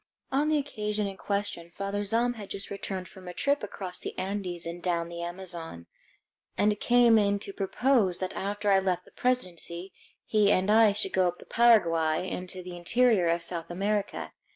On the occasion in question Father Zahm had just returned from a trip across the Andes and down the Amazon, and came in to propose that after I left the presidency he and I should go up the Paraguay into the interior of South America.